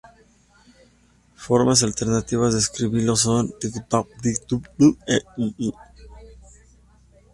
Formas alternativas de escribirlo son 和泉, 泉水, いずみ e いづみ.